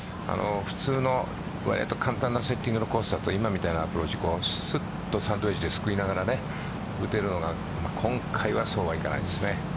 普通の簡単なセッティングのコースだと今みたいなアプローチはサンドウエッジですくいながら打てるのが今回はそうはいかないですね。